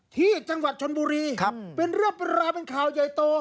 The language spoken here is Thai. ที่จังหวัดชนบุรีครับเป็นเรื่องราวเป็นข่าวใหญ่โต